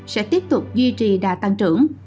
sẽ tiếp tục duy trì đa tăng trưởng